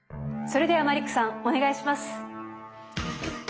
それではマリックさんお願いします。